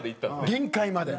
限界まで。